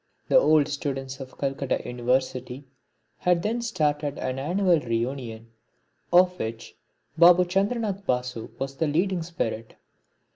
The old students of Calcutta University had then started an annual reunion, of which Babu Chandranath Basu was the leading spirit.